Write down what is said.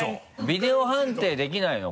ビデオ判定できないの？